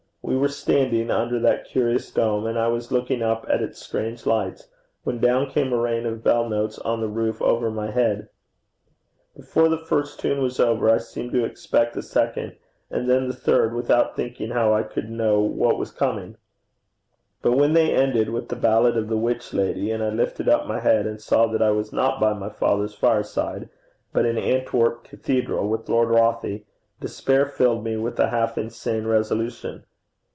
We were standing under that curious dome, and I was looking up at its strange lights, when down came a rain of bell notes on the roof over my head. Before the first tune was over, I seemed to expect the second, and then the third, without thinking how I could know what was coming; but when they ended with the ballad of the Witch Lady, and I lifted up my head and saw that I was not by my father's fireside, but in Antwerp Cathedral with Lord Rothie, despair filled me with a half insane resolution.